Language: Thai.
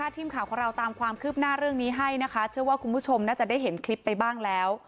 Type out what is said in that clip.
ทีมข่าวของเราตามความคืบหน้าเรื่องนี้ให้นะคะเชื่อว่าคุณผู้ชมน่าจะได้เห็นคลิปไปบ้างแล้ว